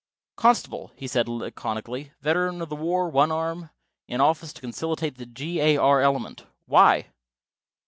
"Constable," he said laconically. "Veteran of the war, one arm; in office to conciliate the G. A. R. element. Why?"